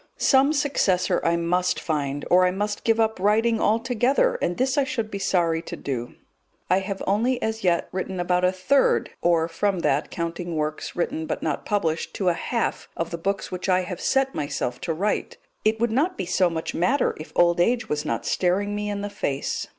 Some successor I must find, or I must give up writing altogether, and this I should be sorry to do. I have only as yet written about a third, or from that counting works written but not published to a half of the books which I have set myself to write. It would not so much matter if old age was not staring me in the face.